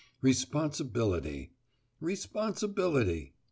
Responsibility. Responsibility.